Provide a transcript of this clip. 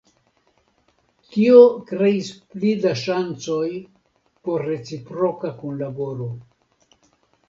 Tio kreis pli da ŝancoj por reciproka kunlaboro.